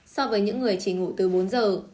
so với những người chỉ ngủ từ bốn giờ